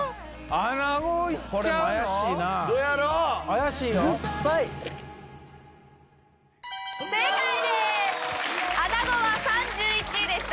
あなごは３１位でした。